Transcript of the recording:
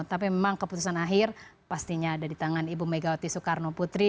tapi memang keputusan akhir pastinya ada di tangan ibu megawati soekarno putri